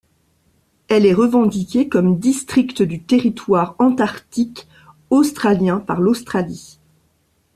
Elle est revendiquée comme district du Territoire antarctique australien par l'Australie.